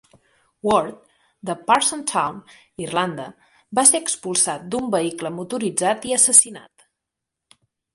Ward, de Parsonstown, Irlanda, va ser expulsat d'un vehicle motoritzat i assassinat.